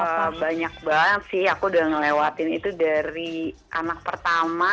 wah banyak banget sih aku sudah melewati itu dari anak pertama